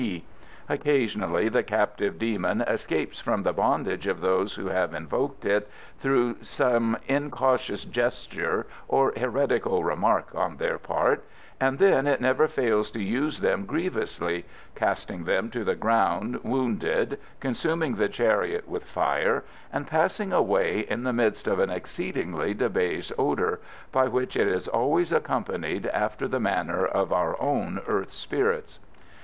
Occasionally the captive demon escapes from the bondage of those who have invoked it, through some incautious gesture or heretical remark on their part, and then it never fails to use them grievously, casting them to the ground wounded, consuming the chariot with fire, and passing away in the midst of an exceedingly debased odour, by which it is always accompanied after the manner of our own earth spirits.